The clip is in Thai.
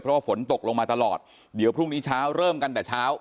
เพราะว่าฝนตกลงมาตลอดเดี๋ยวพรุ่งนี้เช้าเริ่มกันแต่เช้า